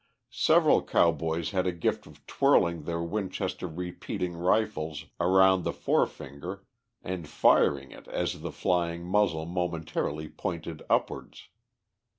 Several cowboys had a gift of twirling their Winchester repeating rifles around the fore finger and firing it as the flying muzzle momentarily pointed upwards.